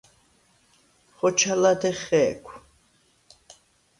ხოჩა ლადეღ ხე̄ქვ.